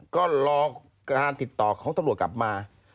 ก็รอการติดต่อของตำรวจกลับมา